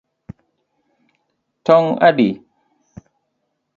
Tong adi?